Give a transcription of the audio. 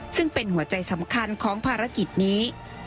ซึ่งเป็นหัวใจสำคัญของภารกิจนี้